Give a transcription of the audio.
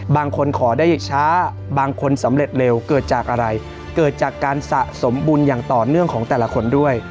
ขอได้ช้าบางคนสำเร็จเร็วเกิดจากอะไรเกิดจากการสะสมบุญอย่างต่อเนื่องของแต่ละคนด้วย